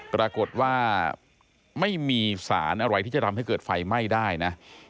ปรากฏว่าไม่มีสารอะไรที่จะทำให้เกิดไฟไหม้ได้นะ